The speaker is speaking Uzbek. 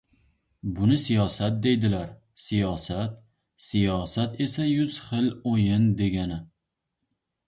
Buni siyosat deydilar, siyosat! Siyosat esa yuz xil o'yin degani!